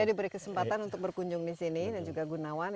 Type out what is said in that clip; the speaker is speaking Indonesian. jadi beri kesempatan untuk berkunjung di sini dan juga gunawan